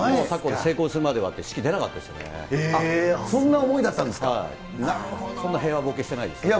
成功するまではって、そんな思いだったんですか。